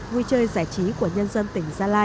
vui chơi giải trí của nhân dân tỉnh